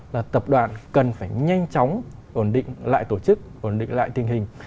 là tập đoàn cần phải nhanh chóng ổn định lại tổ chức ổn định lại tình hình